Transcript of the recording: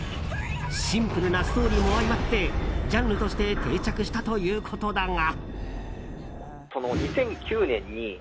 シンプルなストーリーも相まってジャンルとして定着したということだが。